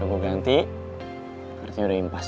mau ganti artinya udah impas